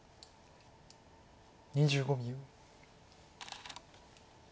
２５秒。